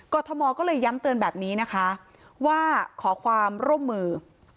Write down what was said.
ทมก็เลยย้ำเตือนแบบนี้นะคะว่าขอความร่วมมือ